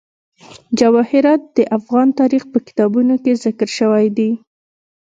جواهرات د افغان تاریخ په کتابونو کې ذکر شوی دي.